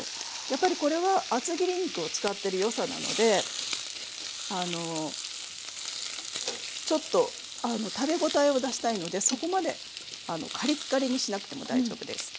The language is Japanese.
やっぱりこれは厚切り肉を使ってるよさなのでちょっと食べ応えを出したいのでそこまでカリッカリにしなくても大丈夫です。